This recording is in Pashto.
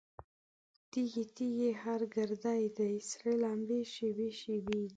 تږی، تږی هر ګړی دی، سره لمبه شېبې شېبې دي